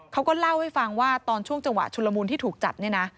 เขาก็เล่าให้ฟังว่าตอนช่วงจังหวะชุลมูลที่ถูกจับเนี่ยนะ